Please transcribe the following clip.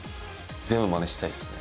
全部まねしたいですね。